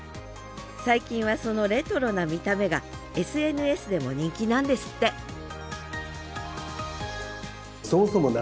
最近はそのレトロな見た目がＳＮＳでも人気なんですってへえ。